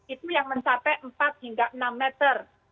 itu yang mencapai empat hingga enam meter